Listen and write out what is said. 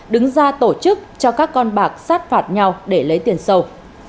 đứng ra tổ chức cho các con bạc sát phạt nhau để lấy tiền sâu